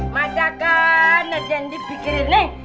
macam mana yang dipikirin nih